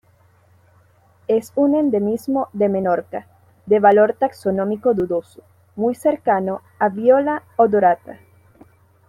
Es un endemismo de Menorca, de valor taxonómico dudoso, muy cercano a "Viola odorata".